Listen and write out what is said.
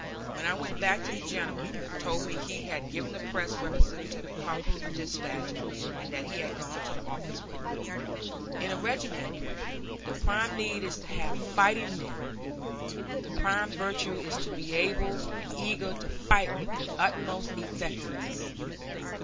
When I went back the General told me he had given the Press representative a copy of the despatch, and that he had gone to the office with it." In a regiment the prime need is to have fighting men; the prime virtue is to be able and eager to fight with the utmost effectiveness.